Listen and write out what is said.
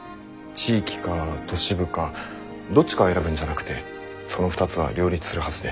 地域か都市部かどっちかを選ぶんじゃなくてその２つは両立するはずで。